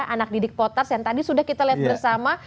anak didik potas yang tadi sudah kita lihat bersama